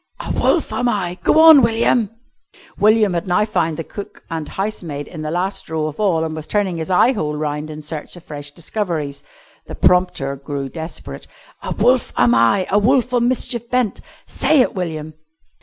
"'A wolf am I' go on, William!" William had now found the cook and housemaid in the last row of all and was turning his eye hole round in search of fresh discoveries. The prompter grew desperate. "'A wolf am I a wolf on mischief bent.' Say it, William."